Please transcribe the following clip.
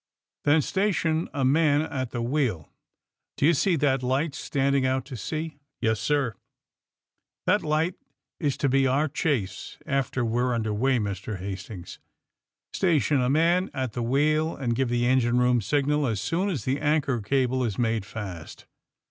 Then station a man at the wheel. Do you see that light standing out to sea r^ ^^Yes, sir/' *'That light is to be our chase after we're under way, Mr. Hastings. Station a man at the wheel and give the engine room signal as soon as the anchor cable is made fast.''